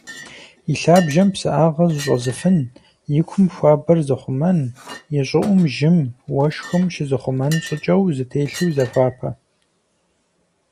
Илъабжьэм псыӏагъэ зыщӏэзыфын, икум хуабэр зыхъумэн, ищӏыӏум жьым, уэшхым щызыхъумэн щӏыкӏэу зэтелъу захуапэ.